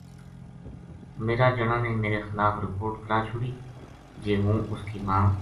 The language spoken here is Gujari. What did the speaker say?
میرا جنا نے میرے خلاف رپوٹ کرا چھُڑی جے ہوں اُس کی ماں